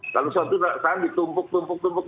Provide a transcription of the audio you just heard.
kalau suatu saat ditumpuk tumpuk gitu loh